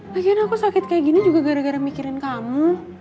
pasien aku sakit kayak gini juga gara gara mikirin kamu